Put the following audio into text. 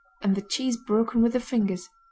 and the cheese broken with the fingers ...